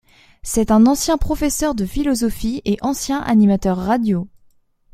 C'est un ancien professeur de philosophie et ancien animateur radio.